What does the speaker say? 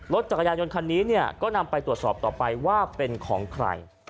รถจักรยานยนต์คันนี้เนี่ยก็นำไปตรวจสอบต่อไปว่าเป็นของใคร